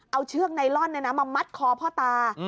เอาเชือกไนลอนมามัดคอพ่อตา